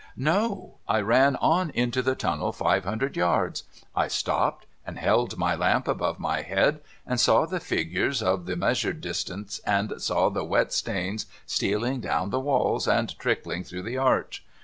' No. I ran on into the tunnel, five hundred yards. I stopped, and held my lamp above my head, and saw the figures of the measured distance, and saw the wet stains stealing down the walls and trickling through the arch.